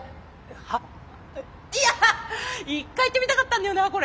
は？いや一回言ってみたかったんだよなこれ。